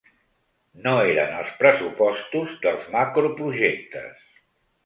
No eren els pressupostos dels macroprojectes.